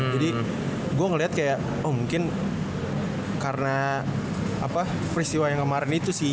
jadi gue ngeliat kayak oh mungkin karena peristiwa yang kemarin itu sih